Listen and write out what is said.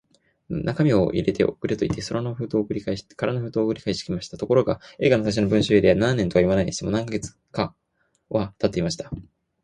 中身を入れて送れ、といって空の封筒を送り返してきました。ところが、Ａ 課の最初の文書以来、何年とはいわないにしても、何カ月かはたっていました。